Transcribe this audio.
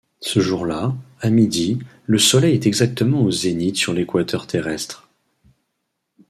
Ce jour-là, à midi, le Soleil est exactement au zénith sur l'équateur terrestre.